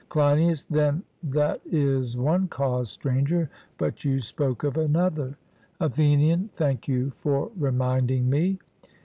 CLEINIAS: Then that is one cause, Stranger; but you spoke of another. ATHENIAN: Thank you for reminding me.